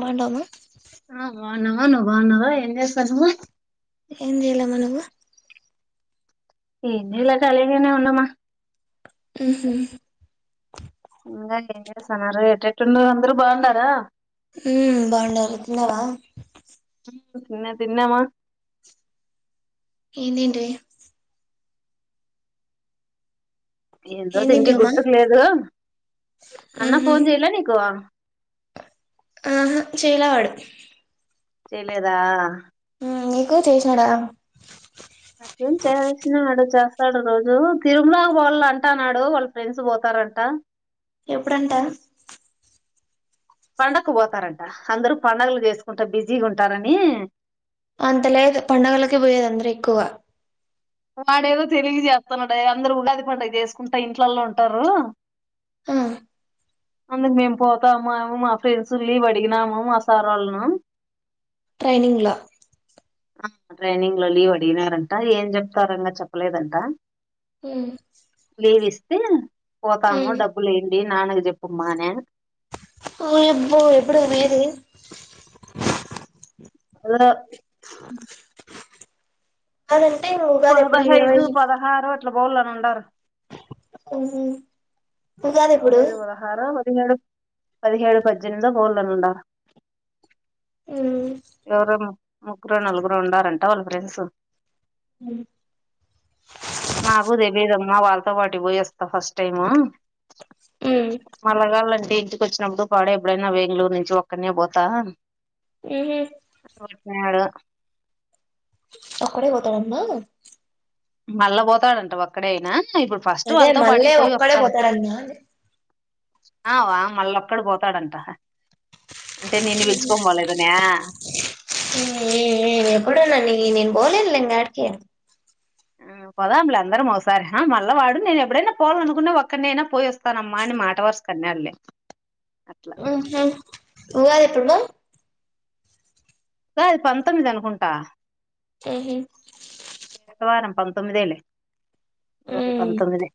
మండమా ఆ బాగునవా నువ్ బాగున్నావా ఎం చే ను ఏందలా మనవ ఇనిలా కళనే ఉన్నామ్మా ఉ ఇంకా ఏం చేస్తున్నారు ఎట ఎటున్న అందరుూ బాగుండారా ఉ బాగుండాలి తన్నావా తిన్న తిన్నమా ఏంటింట ఏందో ఏం తింటి తింటివమ్మా గుర్తుకు లేదు అన్న ఉహు ఫోన్ చెయలే నీకు ఆహా చేలా వాడు చేయలేదా మ్ నీకు చేసినాడా స్తాడు రోజు తిరుమలక్ పోవాలంటన్నాడు వాళ్ళ ఫ్రెండ్స్ పోతారంట ఎప్పుడంట పండక్కు పోతారంట అందరు పండుగలు చేసుకుంటా బిజీగా ఉంటారని అంతలేద్ పండగలకే పోయేది అందరు ఎక్కువ వాడేదో తెలిక చేస్తున్నాడే అందరు ఉగాది పండుగ చేసుకుంట ఇంట్లలో ఉంటారు ఆ అందుకు మేము పోతాము మా ఫ్రెండ్స్ లీవ్ అడిగినాము మా సార్ వాళ్ళను ట్రైనింగ్లా ఆ ట్రైనింగ్ లో లీవ్ అడిగినారంట ఏం చెప్తారో ఇంగ చెప్పలేదంట మ్ తే పోతాము డబ్బులేయండి నాన్నకు చెప్పమ్మా అనే ఒయబ్బో ఎప్పుడే పోయేది ఎవరో అదే పదహైదు పదహారు అట్ల పోవాళని ఉండరు మ్ పదహైదు పదహారు పదిహేడు పదిహేడు పద్దెనిమిది పోవ్లుండ మ్ ముగ్గురు నలుగురు ఉండారంట వాళ్ళ ఫ్రెండ్స్ నాకు తెలిదు మా వాళ్ళతో పాటు పోయేస్తా ఫస్ట్ టైము ఉమ్ మళ్ళగళ్ ఇంటికి వచ్చినప్పుడు ఎప్పుడైనా బెంగళూరు నుంచి ఒక్కనే పోతా మ్ హు ఏేడు ఒక్కడే పోతాడట్నా మళ్ళా పోతాడంటా ఒక్కడే అయినా ఇప్పుడు ఫస్ట్ అదే వాళ్ళతో పాటు మళ్ళీ పోయి ఒక్కడే వస్తా పోతాడన్నా ఆ వా మళ్ళ ఒక్కడు పోతాడంట అంటే మ్ నిన్ను హు పిలుచుకొని పోలేదనే ఆ, మ్ మ్ ఎప్పుడున్నా న నేను పోలేనులే యడికి మ్ పోదం లే అందరం ఒకసారి ఆ మళ్ళ వాడు నేను ఎడైన పోాలనుకున్నా ఒక్కడినైనా పోయి వస్తానమ్మా అని మాట వర్స్ కన్నాాళ్ళే అట్లా మ్ హు ఉగాది ఎప్పుడు ఉగాది పంతొమ్మిది అనుకుంటా మ్ హు శుక్రవారం పంతొమ్మిదేలే ఉమ్ పంతొమ్మిది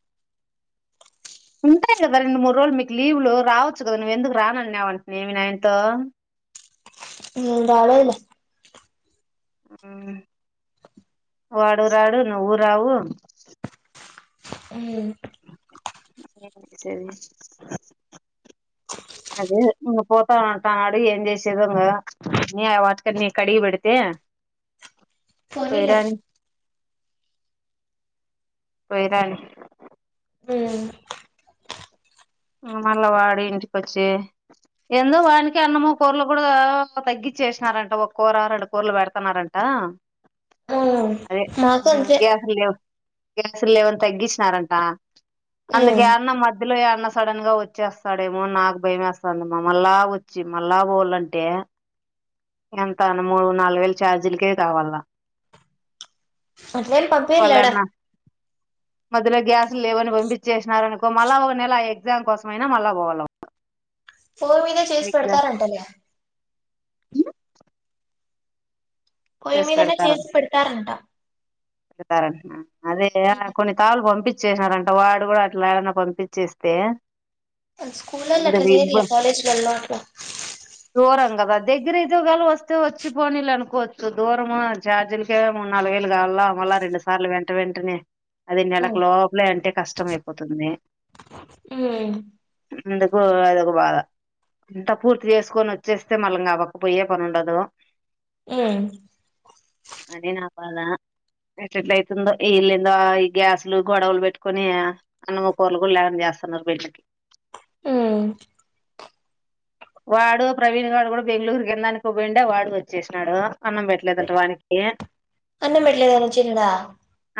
ఉంటాయ్ కదా రెండు మూడు రోజులు మీకు లీవు్లు రావచ్చు కదా నువ్్వ ఎందుకు రాన నవ్ అంన్టి మి నాయన్తో మ్ రాలేదు లే మే వాడు రాడు నువ్వు రావు మ్ సే అదే ఇంగ పోతా ఉంటా నాడు ఏం చేసేదో వాట్క కడిగి పెడితే ఫోనిలే పోయిరాని పోయిరాని ఉ మల్లవాడి ఇంటికొచ్చి ఎందుో వానికి అన్నము కూరలు కూడా తగ్గచ్చేసినారంట ఒక కూర రెండు కూరలు పెడుతన్నారంట అ ఉమ్ అదే మాకు అంతే గ్యాస్ లేవు గ్యాసులు లేవని తగ్గించినారంట అందుకె ఉమ్ అన్న మధ్యలో య సడన్ గా వచ్చేస్తాడేమో నాకు భయం వేస్తాందమ్మా మళ్ళా వచ్చి మళ్ళా పోాలంటే ఎంత అయినా మూడు నాలుగు వేలు ఛార్జీలకే కావాల అట్లా ఏం పంపీయారూలే యాడ వాళ్ళన్నా మధ్యలో గ్యాస్లు లేవని పంపించేసినారూ అనుకో మళ్ళా ఒక నెల ఆ ఎగ్జామ్ కోసం అయినా మళ్ళా పోవాల వాడు ఫోన్ మీదే చేసి పెడతారంటలే పోయి చేసి మీదనే పెడతారని చేసి పెడతారంట అదే కొన్ని తళలు పంపిం చ్చేసినారంట వాడు కూడా అట్లా ఏడనా పంపించేస్తే స్కూల్ లా అట్లా అందరి ఇబ్బ చేరిలే కాలేజీ లల్లా అట్లా దగీర అయితే ఏదోగాల వస్తే వచ్చి పోనీలే అనుకోవచ్చు దూరమ ఛార్జీలకే మూడు నాలు వేలు కాల మళ రెండు సార్లు వెంట వెంటనే అది నెలలకు ఉమ్ లోపలే అంటే కష్టం అయిపోతుంది అందుకు అదోక బాధ అంతా పూర్తి చేసుకొని వచ్చేస్తే మళ్ళం కావ్వకపోయే పని ఉండదు ఉ అనే నా బాధ ఎట్ ఎట్ల అయితుందో ఈ ఇల్లుందో ఈ గ్యాసులు గొడవలు పెట్టుకొని అన్నం కూర్లు లే చేస్తున్నారు బిడ్డలాకి ఉ వాడు ప్రవీణ్ గాడు కూడా బెంగళూరు కిందానికి పోయిండే వాడు వచ్చేసాడు అన్నం పెట్టలేదంట వానీ కే అన్నం పెట్లేలేదని వచ్చినాడా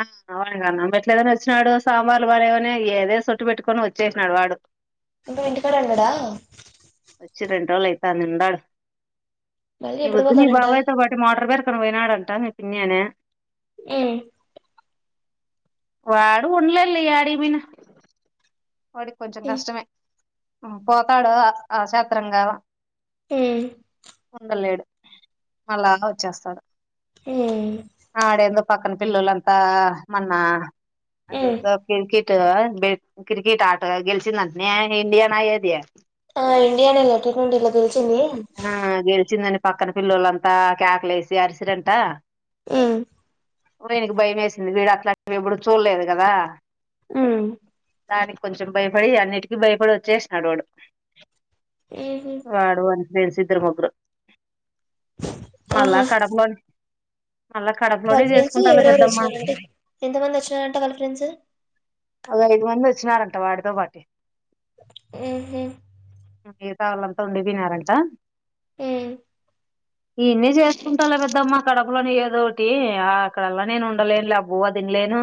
ఉ అవును కన్నం పెట్లేదని వచ్చినాడు సాంబార్లు బాలేవని ఏదే సొట్టు పెట్టుకొని వచ్చేసినడు వాడు ఇంకా ఇంటికాడనే ఉన్నాడా వచ్చి రెండు రోజులు అవుతాంది ఉండాడు మళ్ళీ ఈ ఎప్పుడు పొద్దు మీ పోతాడంట బాబాయ్తో పాటి మోటర్ పేరుకని పోయినాడంట మీ పిన్ని అన్యా ఉ వాడు ఉండలేల ఆడిగి పోయిన వాడికి కొంచెం కష్టమే ఉ పోతాడు ఆక్షత్రం గా ఉమ్ ఉండలేడు మళ్ళా వచ్చేస్తాడు ఊ ఆడేందుో పక్కన పిల్లులంతా మన్న అది ఏందో కిరి కిరి టో బెట్ క్రికెట్ ఆటో గెలిచందంటే నే ఇండియాన అ యేది ఆ ఎడియానే ట్వంటీ ట్వంటీ లో గెలిచింది గెలిచిందని పక్కన పిల్లోల్లు అంతా క్యాకలు వేసి అరిసిరి అంట ఊ వీనికి భయం వేసింది వీడు అట్లాంటివి ఎప్పుడు చూడలేదు కదా ఊ దానికి కొంచెం భయపడి అన్నిటికీ భయపడి వచ్చేసినడు వాడు వాడు వాని ఫ్రెండ్స్ ఇద్దరు ముగ్గురు మళ్ళ ఆహా కడపలోని వాళ్ళ ఫ్రెండ్స్ ఎవరెవరు వచ్చినారంటే ఎంత మంది వచ్చినారంట వాళ్ళ ఫ్రెండ్స్ ఒక ఐదు మంది వచ్చినారంట వాడితో పాటీ ఊ హు మిగతా వాళ్ళంతా ఉండిపోనారంట ఉ ఈన్నే చేసుకుంటాలా పెద్దమ్మ అక్కడ లోని ఏదో ఒకటి ఆ అక్కడలా నేను ఉండలేను లేను ఆ బువ్వ తినలేను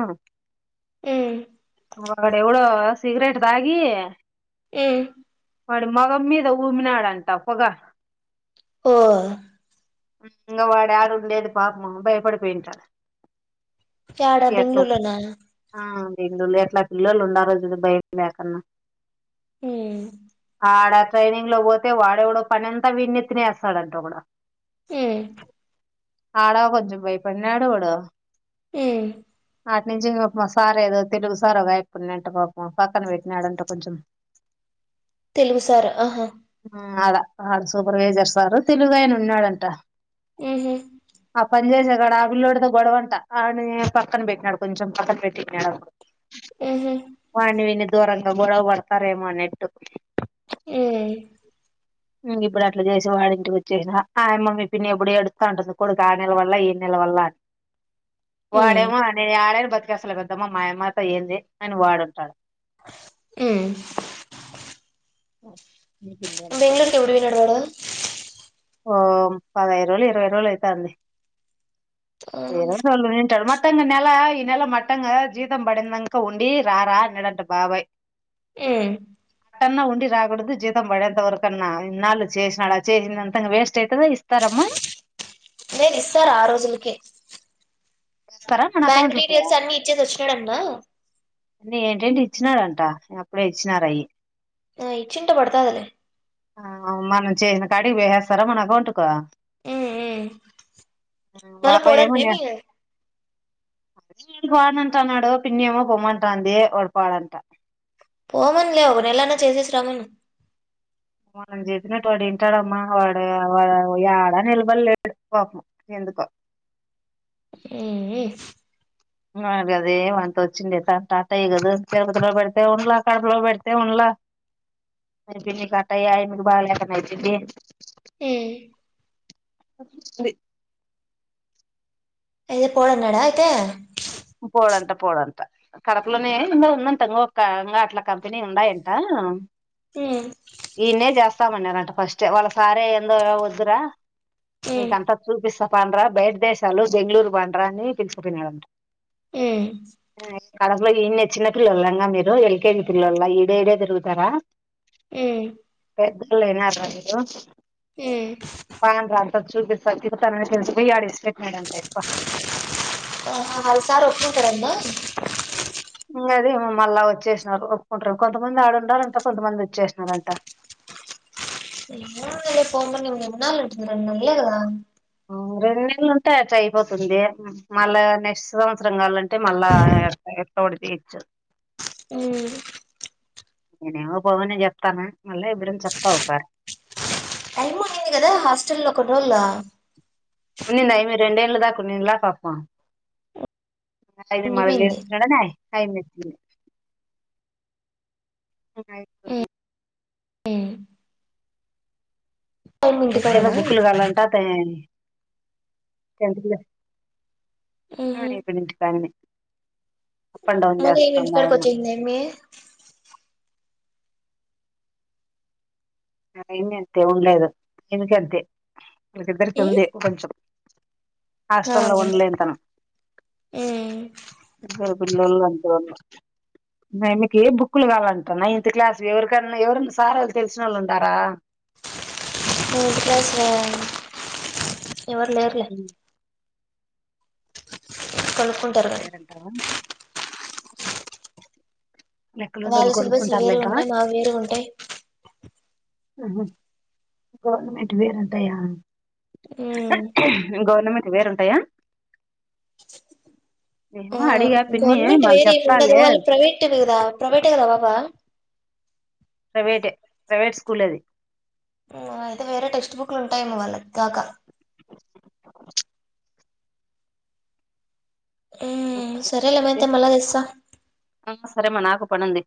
ఉమ్ వాడు ఎవడో సిగరెట్ దాగి ఉ వాడి మగమ్ మీద ఊమ్మి నాడంట పొగ ఓ ఇంకా వాడు యాడన ఉండేది లేదు పాపము భయపడిపోయింటడు యాడ బెంగళూరులోన బెంగళూరులో ఎట్లా పిల్లలు ఉన్నారో చూడు భయం లేకన్నా ఉ ఆడ ట్రైనింగ్ లో పోతే వాడేవడో పని అంతా వీని నెత్తిన ఏస్తాడంట ఒకడు ఉ ఆడా కొంచెం భైపడిన్నాడు వాడు ఉ వాటి నుంచి ఇంగ సార్ ఏదో తెలుగు సార్ ఒగాయిపుకున్నా అంట పాపం పక్కన పెట్టినాడంట కొంచెం తెలుగు సారా ఆహా ఆ సూపర్వైజర్స్ సారు తెలుగు ఆయన ఉన్నాడంట ఉహు ఆ పని జేసే ఇక్కడ ఆపిల్లోడితో గొడవంట ఆ పక్కన పెట్టినాడు కొంచెం పక్కన పెట్టాడు ఉహు వాడిని వీడిని దూరంగా గొడవ పడతారేమో అని ఎట్టు ఉ ఉ ఇప్పుడు అట్లా చేసి వాడి ఇంటికి వచ్చేసిన ఆయమ్మ పిన్ని ఎప్పుడు ఎడు త ఉంటుంది కొడుకు ఆ నెల వల్ల ఈ నెల వల్ల అని ఉమ్ వాడేమో అ ఆడ కి అసలు పెద్దమ్మా మాయమ్మ్మ తో ఏంది అని వాడంటాడు ఉ ఓ బెంగళూరుకి ఎప్పుడు పోయినాడు వాడు ఓ పదహైదు రోజులు ఇరవై రోజులు అయితంది వేరేళ్లతో ఉన్నింటాడు మ మత్తంగ నెల ఈ నెల మట్టంగా జీతం పడిందంక ఉండి రారా అన్నాడంట బాబాయ్ ఉ న్నా ఉండి రాకూడదు జీతం పడేంత వరకన్నా ఇన్నాళ్లు చేసినడు చేసినంతా వేస్ చేతరు ఇస్తారమ్మ లేదు ఇస్తారు ఆ రోజులకే తరా తన బ్యాంక్ అకౌంట్లకి డీటెయిల్స్ అన్ని ఇచ్చేసి వచ్చినాడటనా ఏంటండి ఇచ్చినాడంట అప్పుడే ఇచ్చినారయి ఆ ఇచ్చింటే పడతాదిలే ఆ మనం చేసిన కాడికి వేసేస్తారా మన అకౌంట్ కు ఉమ్ ఉమ్ మళ్ళా బాబాయ్ ఏమన్నా పోడన్నేమి వానంటన్నాడు పిన్ని ఏమో పొమ్మంటంది వాడు పోడంట పోమనిలే ఒక నెలన్న చేసేసి రామను మనం చెప్పినట్టు వాడు వింటాడమ్మా వాడు ఆడా నిలబలేడు పాపం ఎందుకో ఉ అ అదే అంత వచ్చిండ టాట ఇగదురుప పెడితే ఉండ్ల కడపులో పెడితే ఉండ్ల అ పిన్ని కాటయి ఇప్పుడు బాగులేకున్నా వచ్చిద్ది ఉ వచింది అయితే పోడన్నాడా అయితే పోడంట పోడంట కడపలోనే ఏందో ఉందంట ఇంకా ఒక అట్లా కంపెనీ ఉన్నాయంట ఉమ్ ఈయన్న చేస్తామండి అనంట ఫస్ట్ వాళ్ళ సారే ఏందో వద్దురా ఉమ్ మీకంతా చూపిస్తా పాండ్రా బయట దేశాలు బెంగళూరు పాండ్రా అని పిలుచపోయినాడంట ఉం కడపలో ఇన్నే చిన్న పిల్లలంగా మీరు ఎల్కేజీ పిల్లోల ఈడే ఇడే తిరుగుతారా ఆ పెద్దోళ్ళు అయినార్ మీరు ఉమ్ పద చూపిస్తా తిప్పుత అని డిస్పోయీ యాడి ఇడిసి పెట్టినాడట హాలసా రోట్లు ఒప్పుక్రా అన్న ఇ అది మమ్ మళ్ళా వచ్చేసినారు ఒప్పుకుంటారు కొంతమంది ఆడుండారంట కొంతమంది వచ్చేసినారంట ఏ వెద పోము ఉన్నాంటండి నేను ఉండలేదు కదా రెండు నెలలు ఉంటే అట్ అయిపోతుంది మళ్ళా నెక్స్ట్ సంవత్సరం కావాలంటే మళ్ళాడ ఎట్నో అట్లన్నో తీయొచ్చు అ నేనేమో పవని చెప్తాను మళ్ళా ఇవరిని చెప్తావు సార్ టైము ఉండింది కదా హాస్టల్ లో కొన్ని రోజులా ఉన్నింద ఇమ రెండ ఏంలుదా కున్నిలా పాపం అ ఉండిపోయింది మవిడనే కై మతి యిపో ఆ ఏం కింద బుక్కులు కాాలంట ఆ ఉహు ఇక్క నుంచి కాన్ని మళ్ళీ ఏమి ఇంటికాడికి అయ్యమ్మ వచ్చంద అమ్మి యన్ని అంతే ఉండలేదు దయక అంతే వాకిద్దరికి ఉమ్ ఉంది కొంచెం ఆ హాస్టల్ లో ఉండలేని తను ఉమ్ పిల్లోల్లు అంతే ఉన్నార్ మీకు ఏ బుక్కులు కావాలంట నైన్త్ క్లాస్ ఎవరికన్నా ఎవరన్నా సార్ వాళ్ళు తెలిసిన వాళ్ళు ఉంటారా టెంతు క్లాస్వా ఎవరులేరులే కొనుక్కుంటారు ఎవరి కానీ పేరుంటావా లెక్కలు వాళ్ళ డోలు సిలబస్లు కొడుక్కుంటారు వేరే లెక్క ఉంటాయి మావి వేరే ఉంటాయి ఆహ గవర్మెంట్ వేరుంతయా గవర్నమెంట్ వేరుంటాయా ఆ ఏమో అడిగా పిన్ని గవర్నమెంట్ మళ్ళీ వేరే ఉండదు చెప్తాలే వాళ్ళు ప్రైవేట్ కదా ప్రైవేటే కదా బాబ ప్రైవేట్ ప్రైవేట్ స్కూల్ అది అయితే వేరే టెక్స్ట్ బుక్లు ఉంటాయమ్ మొ వాళ్ళకి కాక అ సరేల మాహతే మళ తెస్సా శరేమ నాకు పనంది